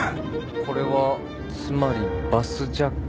これはつまりバスジャック。